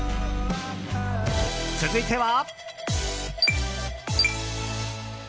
続いては。